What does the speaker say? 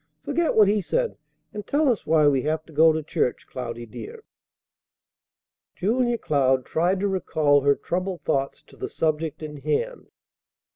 "Forget what he said, and tell us why we have to go to church, Cloudy, dear." Julia Cloud tried to recall her troubled thoughts to the subject in hand.